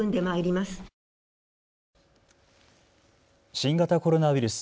新型コロナウイルス。